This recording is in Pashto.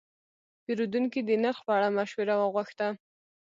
پیرودونکی د نرخ په اړه مشوره وغوښته.